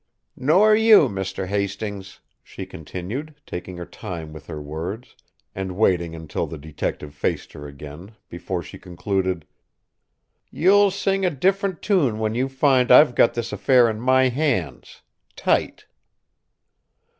"Nor you, Mr. Hastings!" she continued, taking her time with her words, and waiting until the detective faced her again, before she concluded: "You'll sing a different tune when you find I've got this affair in my hands tight!"